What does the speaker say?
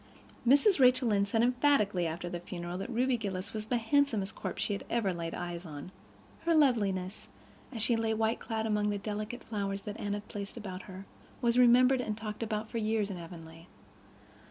Mrs. Rachel Lynde said emphatically after the funeral that Ruby Gillis was the handsomest corpse she ever laid eyes on. Her loveliness, as she lay, white clad, among the delicate flowers that Anne had placed about her, was remembered and talked of for years in Avonlea.